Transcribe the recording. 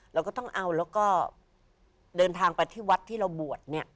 เราก็ต้องเอาแล้วก็เดินทางไปที่วัดที่เราบวชเนี่ย